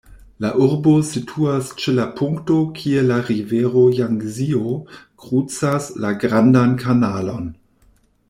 La urbo situas ĉe la punkto kie la rivero Jangzio krucas la Grandan Kanalon.